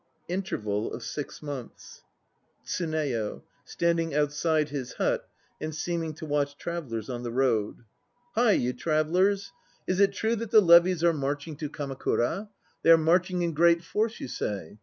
(Interval of Six Months.) TSUNEYO (standing outside his hut and seeming to watch travellers on the road). Hie, you travellers! Is it true that the levies are marching to HACHI NO KI 109 Kamakura? They are marching in great force, you say?